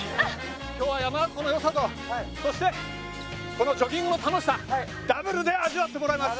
今日は山中湖の良さとそしてこのジョギングの楽しさダブルで味わってもらいます。